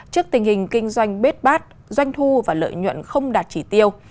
trước tình hình kinh doanh bếp bát doanh thu và lợi nhuận không đạt chỉ tiêu